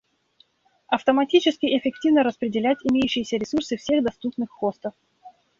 Автоматически эффективно распределять имеющиеся ресурсы всех доступных хостов